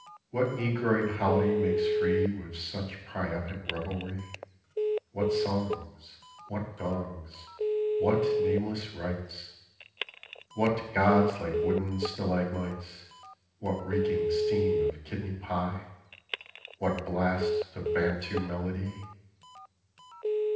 What negroid holiday makes free With such priapic revelry ? What songs ? What gongs ? What nameless rites ? What gods like wooden stalagmites? What reeking steam of kidney pit What blasts of Bantu melody